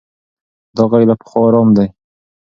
دا غږ له پخوا ارام دی.